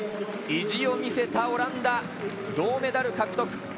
意地を見せたオランダ銅メダル獲得。